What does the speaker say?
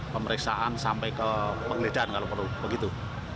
pemeriksaan sampai ke pengledaan kalau perlu